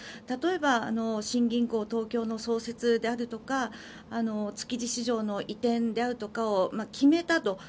例えば新銀行東京の創設であるとか築地市場の移転であるとかを決めたと。